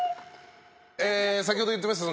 先ほど言っていました